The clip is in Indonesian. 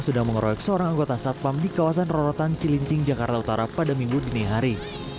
sedang mengeroyok seorang anggota satpam di kawasan rorotan cilincing jakarta utara pada minggu dini hari